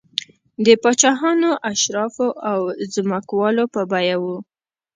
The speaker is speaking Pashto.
د پاچاهانو، اشرافو او ځمکوالو په بیه و